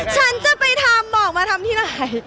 ฉันจะไปทำบอกมาทำที่ไหน